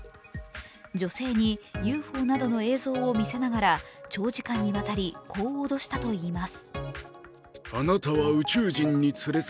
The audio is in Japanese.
女性にＵＦＯなどの映像を見せながら長時間にわたり、こう脅したといいます。